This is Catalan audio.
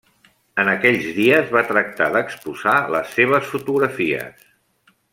En aquells dies, va tractar d'exposar les seves fotografies.